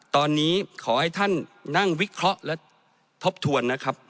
ตอนนี้ขอให้ท่านนั่งวิเคราะห์และทบทวนนะครับ